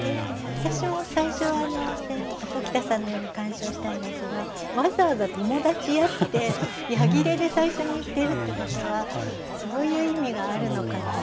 私も最初は鴇田さんのように鑑賞したんですがわざわざ「ともだちや」ってや切れで最初に言ってるっていうことはそういう意味があるのかと。